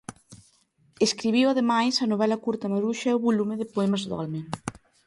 Escribiu ademais, a novela curta Maruxa e o volume de poemas Dolmen.